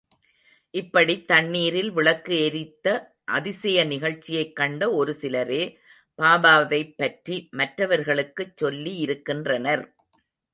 இப்படித் தண்ணீரில் விளக்கு எரித்த அதிசய நிகழ்ச்சியைக் கண்ட ஒரு சிலரே பாபாவைப் பற்றி மற்றவர்களுக்கு சொல்லியிருக்கின்றனர்.